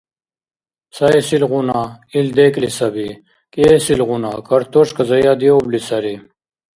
Цаэсилгъуна, ил декӀли саби, кӀиэсилгъуна, картошка заядиубли сари.